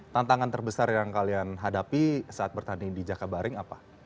tantangan terbesar yang kalian hadapi saat bertanding di jakabaring apa